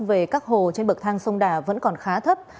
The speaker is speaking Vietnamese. về các hồ trên bậc thang sông đà vẫn còn khá thấp